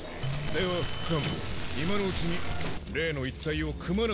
では副官今のうちに例の一帯をくまなく調べさせろ。